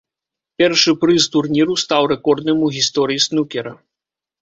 Першы прыз турніру стаў рэкордным у гісторыі снукера.